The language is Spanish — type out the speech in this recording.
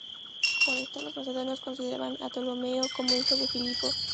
Por esto los macedonios consideraban a Ptolomeo como hijo de Filipo.